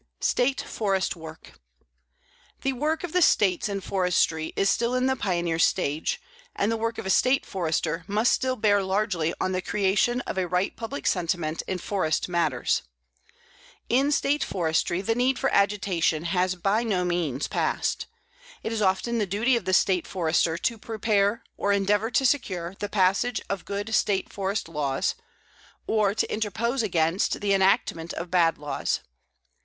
STATE FOREST WORK The work of the States in forestry is still in the pioneer stage, and the work of a State Forester must still bear largely on the creation of a right public sentiment in forest matters. In State forestry the need for agitation has by no means passed. It is often the duty of the State Forester to prepare or endeavor to secure the passage of good State forest laws, or to interpose against the enactment of bad laws.